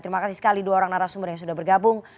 terima kasih sekali dua orang narasumber yang sudah bergabung